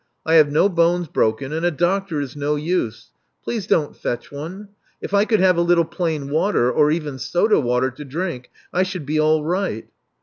I have no bones broken ; and a doctor is no use. Please don't fetch one. If I could have a little plain water — or even soda water — to drink, I should be all right."